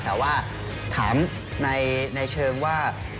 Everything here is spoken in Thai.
แต่ว่าถามในเชิงว่า